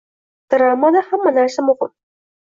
Dramada hamma narsa muhim